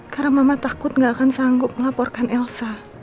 karena mama takut gak akan sanggup melaporkan elsa